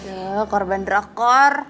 aduh korban drakor